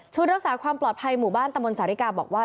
รักษาความปลอดภัยหมู่บ้านตะมนตสาธิกาบอกว่า